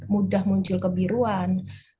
mudah muncul kebiruan